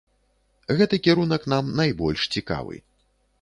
Гэты кірунак нам найбольш цікавы.